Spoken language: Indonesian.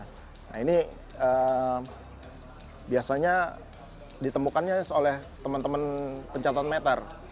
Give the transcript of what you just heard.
nah ini biasanya ditemukannya oleh teman teman pencatat meter